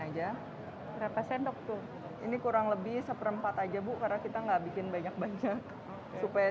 aja berapa sendok tuh ini kurang lebih seperempat aja bu karena kita enggak bikin banyak banyak supaya